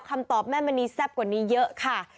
คำตอบแม่มณีแซ่บกว่านี้เยอะค่ะ